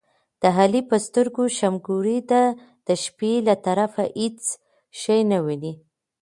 د علي په سترګو شمګوري ده، د شپې له طرفه هېڅ شی نه ویني.